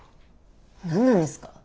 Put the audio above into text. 何なんですか。